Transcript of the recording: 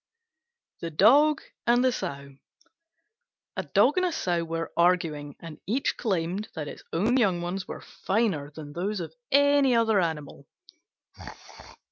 THE DOG AND THE SOW A Dog and a Sow were arguing and each claimed that its own young ones were finer than those of any other animal.